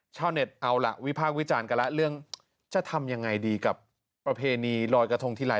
ชาวเน็ตเอาล่ะวิพากษ์วิจารณ์กันแล้วเรื่องจะทำยังไงดีกับประเพณีลอยกระทงทีไร